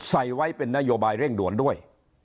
ใส่ไว้เป็นนโยบายเร่งด่วนด้วย